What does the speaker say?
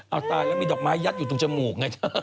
เอาตายแล้วมีดอกไม้ยัดอยู่ตรงจมูกไงเธอ